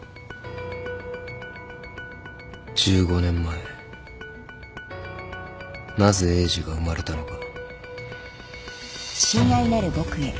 １５年前なぜエイジが生まれたのか。